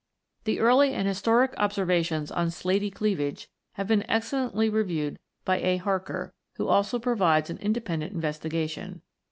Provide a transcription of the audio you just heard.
The early and historic observations on slaty cleav age have been excellently reviewed by A. Harker(47), who also provides an independent investigation.